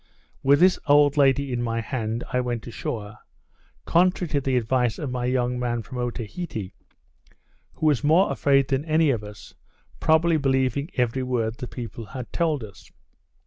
With this old lady in my hand I went ashore, contrary to the advice of my young man from Otaheite, who was more afraid than any of us, probably believing every word the people had told us.